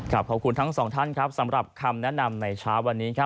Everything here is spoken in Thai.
ขอบคุณทั้งสองท่านครับสำหรับคำแนะนำในเช้าวันนี้ครับ